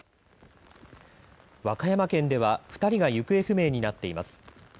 和歌山県では２人が行方不明になっています。